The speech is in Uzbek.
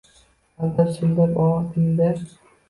Aldab-suldab ovuting-da.